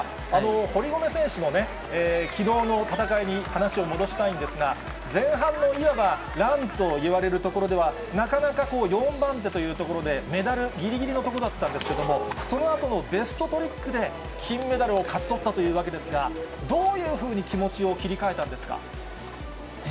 堀米選手のきのうの戦いに話を戻したいんですが、前半のいわば、ランといわれるところでは、なかなか４番手というところで、メダルぎりぎりのところだったんですけれども、そのあとのベストトリックで金メダルを勝ち取ったというわけですが、どういうふうに気持ちを切り替えたんですか。